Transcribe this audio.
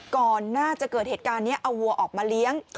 ก่อนน่าจะเกิดเหตุการณ์นี้เอาวัวออกมาเลี้ยง